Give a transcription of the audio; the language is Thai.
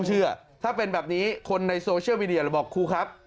คุณถ้าเป็นแบบนี้คนในโซเชียลมิเดีปบอกคุณครับ